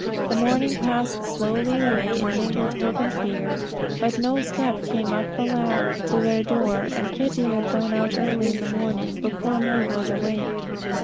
The morning passed slowly away in mingled hope and fear; but no step came up the ladder to their door, and Kitty had gone out early in the morning, before Meg was awake.